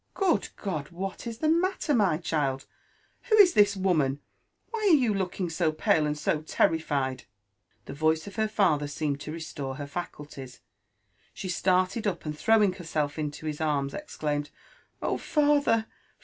" Good God t what is the matter, my child I Who is this woman ? Why are you looking so pale and so terrified T ,.. The voice of her father seemed to restore her faculties ; she started up, and throwing herself into his arms, exclaimed, ''Oh, father!